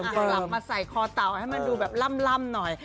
กลับมาใส่คอเต่าให้มันดูแบบล่ำหน่อย